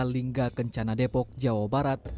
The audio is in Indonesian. lingga kencana depok jawa barat